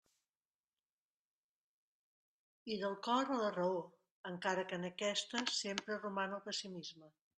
I del cor a la raó, encara que en aquesta sempre roman el pessimisme.